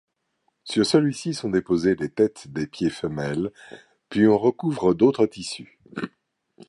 Sur celui-ci sont déposées les têtes des pieds femelles puis on recouvre d'autres tissus.